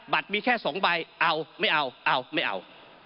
มีแค่๒ใบเอาไม่เอาเอาไม่เอา